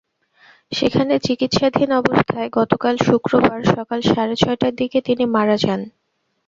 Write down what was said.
সেখানে চিকিৎসাধীন অবস্থায় গতকাল শুক্রবার সকাল সাড়ে ছয়টার দিকে তিনি মারা যান।